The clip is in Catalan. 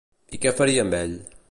I què faria amb ell?